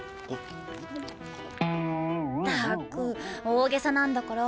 ったく大げさなんだから。